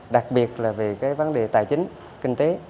đặc biệt là về cái vấn đề tài chính kinh tế